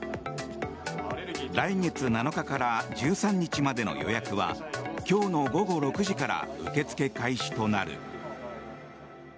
来月７日から１３日までの予約は今日の午後６時から受け付け開始となる。